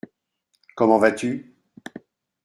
Comment vas-tu ?